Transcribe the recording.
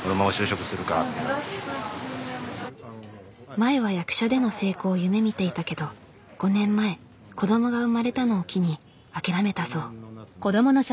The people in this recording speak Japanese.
前は役者での成功を夢みていたけど５年前子どもが産まれたのを機に諦めたそう。